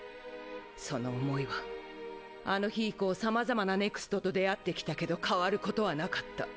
その思いはあの日以降さまざまなＮＥＸＴと出会ってきたけど変わることはなかった。